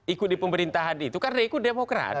ikut di pemerintahan itu karena ikut demokrat